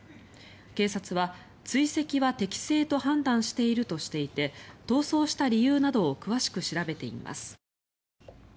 警察は、追跡は適正と判断しているとしていて逃走した理由などを詳しく調べています。